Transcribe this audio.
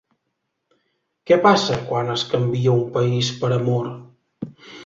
Què passa quan es canvia un país per amor?